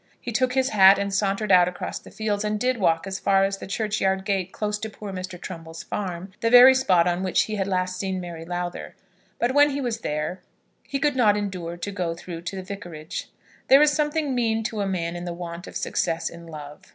He took his hat and sauntered out across the fields, and did walk as far as the churchyard gate close to poor Mr. Trumbull's farm, the very spot on which he had last seen Mary Lowther; but when he was there he could not endure to go through to the Vicarage. There is something mean to a man in the want of success in love.